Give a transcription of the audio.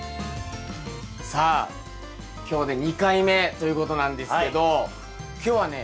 さあ今日で２回目ということなんですけど今日はね